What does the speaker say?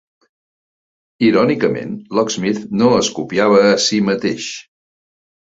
Irònicament, Locksmith no es copiava a si mateix.